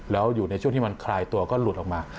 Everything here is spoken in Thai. แล้วอยู่ในช่วงที่มันคลายตัวก็หลุดออกมา